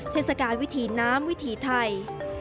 เทศกาลวิถีน้ำวิถีไทย